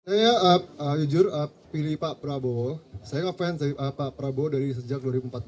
saya jujur pilih pak prabowo saya ngefans pak prabowo dari sejak dua ribu empat belas